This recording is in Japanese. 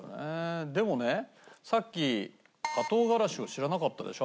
でもねさっきはとうがらしを知らなかったでしょ？